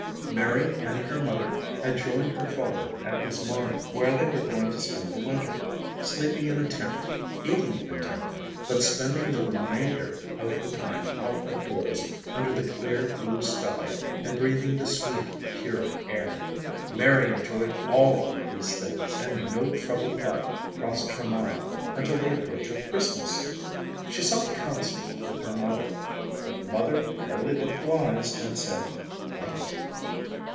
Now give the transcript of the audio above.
Mary and her mother had joined her father at his mine, where they were going to spend the winter, sleeping in a tent, eating in a tent, but spending the remainder of the time out of doors, under the clear, blue sky and breathing the sweet, pure air. Mary enjoyed all these things and no troubled thought crossed her mind until the approach of Christmas. She sought counsel with her mother, but Mother merely looked wise and said "wait."